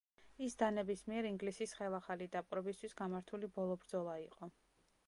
ის დანების მიერ ინგლისის ხელახალი დაპყრობისთვის გამართული ბოლო ბრძოლა იყო.